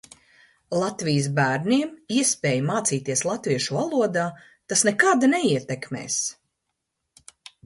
Latvijas bērniem iespēju mācīties latviešu valodā tas nekādi neietekmēs.